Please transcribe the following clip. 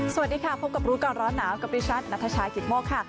สวัสดีค่ะพบกับรู้ก่อนร้อนหนาวกับดิฉันนัทชายกิตโมกค่ะ